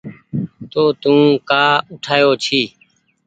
تو تونٚ ڪآ اُٺآيو ڇي